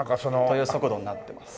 という速度になっています。